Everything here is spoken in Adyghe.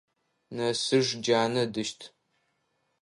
Нэсыж джанэ ыдыщт.